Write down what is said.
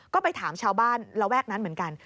ก็ไปถามชาวบ้านระแวกนั้นเหมือนกัน